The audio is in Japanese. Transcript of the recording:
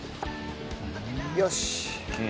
よし。